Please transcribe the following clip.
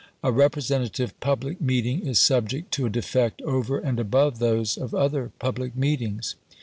A representative public meeting is subject to a defect over and above those of other public meetings.